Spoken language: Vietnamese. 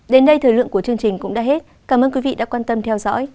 đến đây thời lượng của chương trình cũng đã hết cảm ơn quý vị đã quan tâm theo dõi